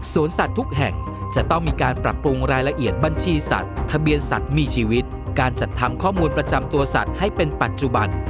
สัตว์ทุกแห่งจะต้องมีการปรับปรุงรายละเอียดบัญชีสัตว์ทะเบียนสัตว์มีชีวิตการจัดทำข้อมูลประจำตัวสัตว์ให้เป็นปัจจุบัน